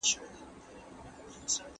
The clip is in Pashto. د ژوند حق ټولو ته ورکړل سوی دی.